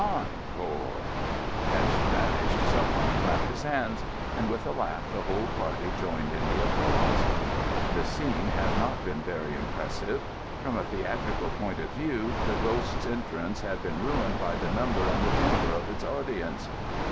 "Encore!" As she vanished some one clapped his hands, and with a laugh the whole party joined in the applause. The scene had not been very impressive. From a theatrical point of view the ghost's entrance had been ruined by the number and the temper of its audience.